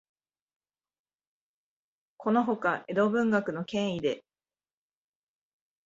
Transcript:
このほか、江戸文学の権威で、